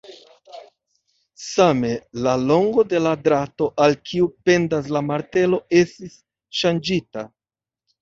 Same, la longo de la drato, al kiu pendas la martelo, estis ŝanĝita.